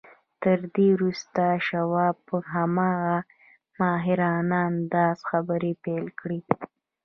تر دې وروسته شواب په هماغه ماهرانه انداز خبرې پيل کړې.